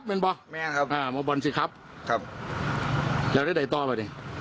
แต่ถ้าเข้าไปใกล้ดูไปนี่